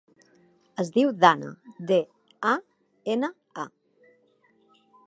Es diu Dana: de, a, ena, a.